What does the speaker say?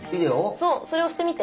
そうそれ押してみて。